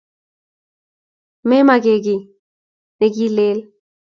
Memagekiy ngileel